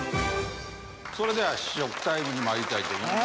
それでは試食タイムにまいりたいと思います。